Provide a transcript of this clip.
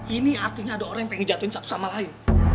ini artinya ada orang yang pengen jatuhin satu sama lain